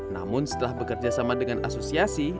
namun setelah bekerja sama dengan asosiasi